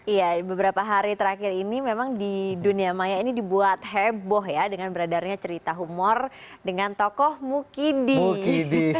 iya beberapa hari terakhir ini memang di dunia maya ini dibuat heboh ya dengan beredarnya cerita humor dengan tokoh mukidi